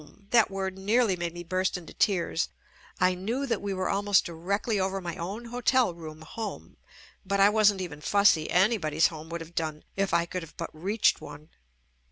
That word nearly made me burst into tears. I knew that we were almost directly over my own hotel room home, but I wasn't even fussy — anybody's home would have done if I could have but reached one.